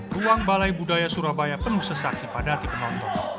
ruang balai budaya surabaya penuh sesak di padat penonton